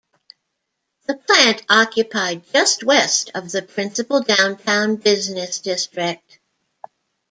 The plant occupied just west of the principal downtown business district.